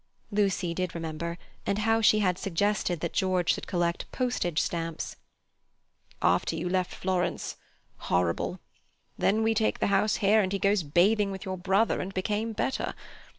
Lucy did remember, and how she had suggested that George should collect postage stamps. "After you left Florence—horrible. Then we took the house here, and he goes bathing with your brother, and became better.